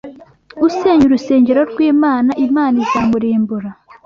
Usenya urusengero rw’Imana, Imana izamurimbura